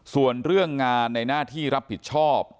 ส่วนเรื่องงานในหน้าที่รับผิดชอบ